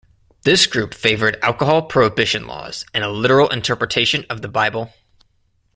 This group favored alcohol prohibition laws and a literal interpretation of the Bible.